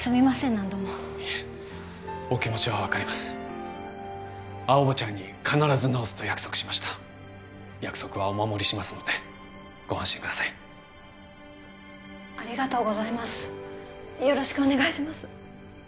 何度もいえお気持ちは分かります青葉ちゃんに必ず治すと約束しました約束はお守りしますのでご安心くださいありがとうございますよろしくお願いします